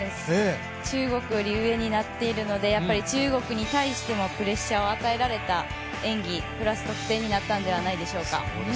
中国より上になっているので中国に対してもプレッシャーを与えられた演技プラス得点になったんではないでしょうか。